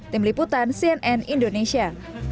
tim liputan cnn indonesia